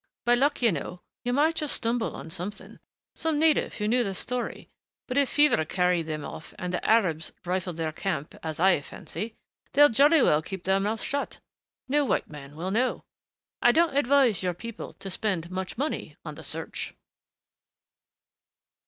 By luck, you know, you might just stumble on something, some native who knew the story, but if fever carried them off and the Arabs rifled their camp, as I fancy, they'll jolly well keep their mouths shut. No white man will know.... I don't advise your people to spend much money on the search."